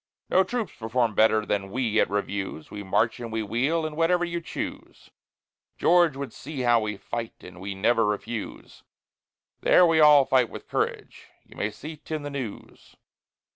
No troops perform better than we at reviews, We march and we wheel, and whatever you choose, George would see how we fight, and we never refuse, There we all fight with courage you may see 't in the news.